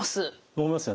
思いますよね。